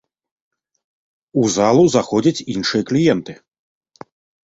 У залу заходзяць іншыя кліенты.